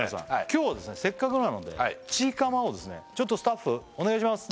今日はせっかくなのでチーかまをですねちょっとスタッフお願いします